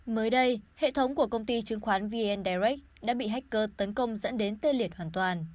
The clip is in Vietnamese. mới đây hệ thống của công ty chứng khoán vn direct đã bị hacker tấn công dẫn đến tê liệt hoàn toàn